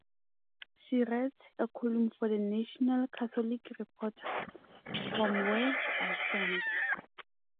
She writes a column for the "National Catholic Reporter", "From Where I Stand".